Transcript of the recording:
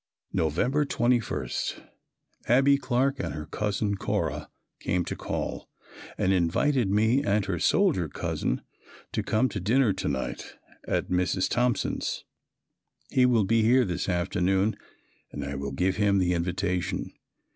November 21. Abbie Clark and her cousin Cora came to call and invited me and her soldier cousin to come to dinner to night, at Mrs. Thompson's. He will be here this afternoon and I will give him the invitation.